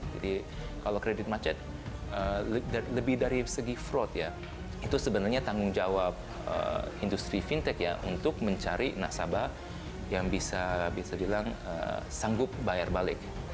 jadi kalau kredit macet lebih dari segi fraud ya itu sebenarnya tanggung jawab industri fintech ya untuk mencari nasabah yang bisa bisa bilang sanggup bayar balik